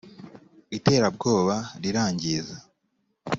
iterabwoba rirangiza